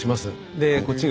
でこっちが。